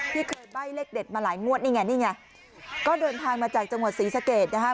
ที่เคยใบ้เลขเด็ดมาหลายงวดนี่ไงนี่ไงก็เดินทางมาจากจังหวัดศรีสะเกดนะฮะ